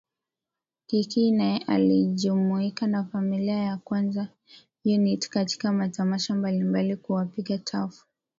Kikii naye alijumuika na familia ya Kwanza Unit katika matamasha mbalimbali kuwapiga tafu